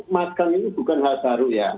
makan ini bukan hal baru ya